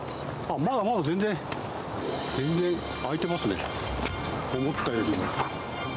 まだまだ全然、全然空いてますね、思ったよりも。